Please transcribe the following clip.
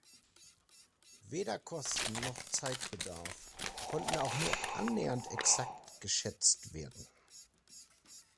Weder Kosten noch Zeitbedarf konnten auch nur annähernd exakt geschätzt werden.